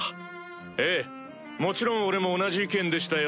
ええもちろん俺も同じ意見でしたよ